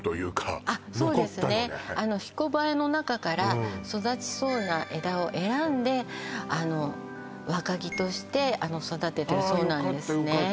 残ったのねひこばえの中から育ちそうな枝を選んであの若木として育ててるそうなんですねああ